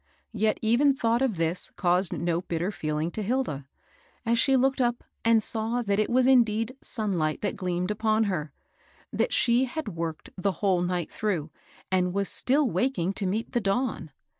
Yet even thought of this caused no bitter feel ing to Hilda, as she looked up and saw that it was indeed sunlight that gleamed upon her, —that she had worked the whole night through, and was still waking to meet the dawn.